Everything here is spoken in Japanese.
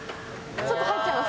ちょっと入っちゃいます。